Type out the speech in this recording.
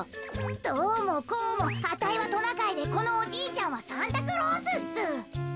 どうもこうもあたいはトナカイでこのおじいちゃんはサンタクロースっす。